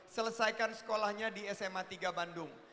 selesaikan sekolahnya di sma tiga bandung